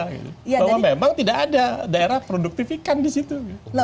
bahwa memang tidak ada daerah produktif ikan di situ